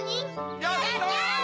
やった！